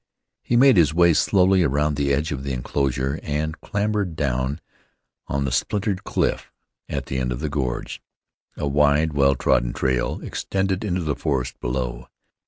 He made his way slowly around the edge of the inclosure and clambered down on the splintered cliff at the end of the gorge. A wide, well trodden trail extended into the forest below.